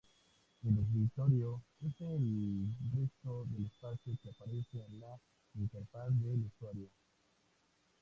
El escritorio es el resto del espacio que aparece en la interfaz del usuario.